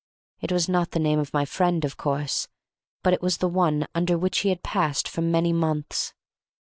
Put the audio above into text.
It was not the name of my friend, of course, but it was the one under which he had passed for many months.